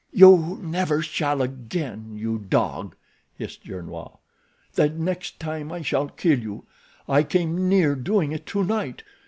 "You never shall again, you dog!" hissed Gernois. "The next time I shall kill you. I came near doing it tonight.